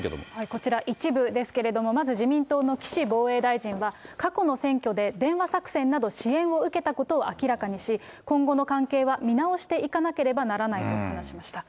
こちら、一部ですけれども、まずこちら、自民党の岸防衛大臣は、過去の選挙で、電話作戦など支援を受けたことを明らかにし、今後の関係は見直していかなければならないと話しました。